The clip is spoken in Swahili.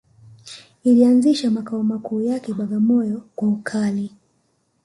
Ilianzisha makao makuu yake Bagamoyo kwa ukali